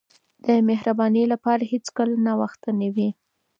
د مهربانۍ لپاره هیڅکله ناوخته نه وي.